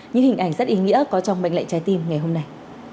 những hình ảnh rất ý nghĩa có trong mệnh lệnh trái tim ngày hôm nay